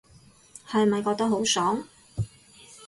係咪覺得好爽